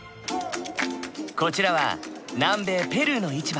こちらは南米ペルーの市場。